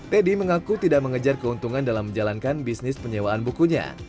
teddy mengaku tidak mengejar keuntungan dalam menjalankan bisnis penyewaan bukunya